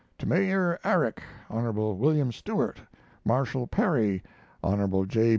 To Mayor Arick, Hon. Wm. Stewart, Marshal Perry, Hon. J.